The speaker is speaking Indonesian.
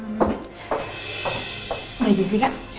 lagi sih kak